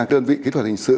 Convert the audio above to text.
tương vị kỹ thuật hình sự